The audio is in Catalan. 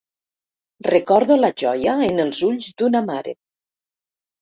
Recordo la joia en els ulls d'una mare.